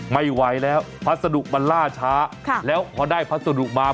ไม่ไหวแล้วพัสดุมันล่าช้าแล้วพอได้พัสดุมา